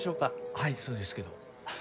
はいそうですけど。